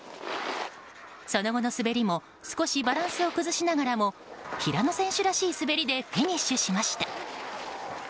その後の滑りも少しバランスを崩しながらも平野選手らしい滑りでフィニッシュしました。